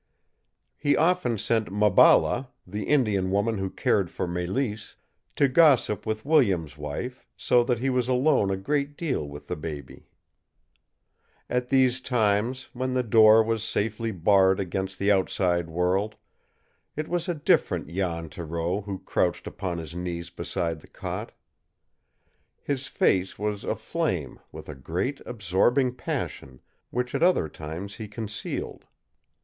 He often sent Maballa, the Indian woman who cared for Mélisse, to gossip with Williams' wife, so that he was alone a great deal with the baby. At these times, when the door was safely barred against the outside world, it was a different Jan Thoreau who crouched upon his knees beside the cot. His face was aflame with a great, absorbing passion which at other times he concealed.